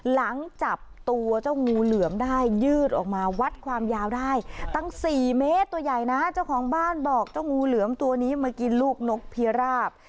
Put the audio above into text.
หลังจับตัวเจ้างูเหลือมได้ยืดออกมาวัดความยาวได้ตั้งสี่เมตรตัวใหญ่นะเจ้าของบ้านบอกเจ้างูเหลือมตัวนี้มากินลูกนกพิราบ